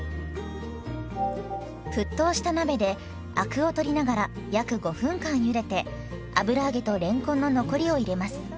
沸騰した鍋でアクを取りながら約５分間ゆでて油揚げとれんこんの残りを入れます。